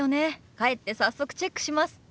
帰って早速チェックします。